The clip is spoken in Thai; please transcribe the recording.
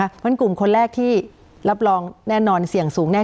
เพราะฉะนั้นกลุ่มคนแรกที่รับรองแน่นอนเสี่ยงสูงแน่